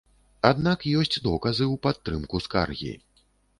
Аднак ёсць доказы ў падтрымку скаргі.